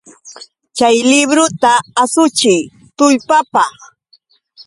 Chay libruta ashuchiy tullpapa!